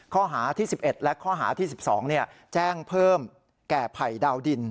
ข้อหาที่๑๑และข้อหาที่๑๒แจ้งเพิ่มแก่ภัยดาวดิน